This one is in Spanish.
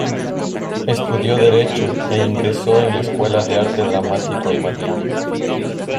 Estudió Derecho e ingresó en la Escuela de Arte Dramático en Madrid.